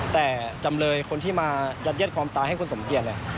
แต่จำเลยคนที่มายัดเย็ดความตายให้คุณสมเกียจ